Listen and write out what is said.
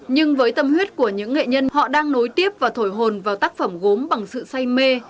nhưng với tâm huyết của những nghệ nhân họ đang nối tiếp và thổi hồn vào tác phẩm gốm bằng sự say mê